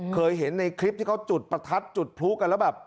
เคยเห็นในคลิปที่เขาจุดประทัดจุดพลุกันแล้วแบบ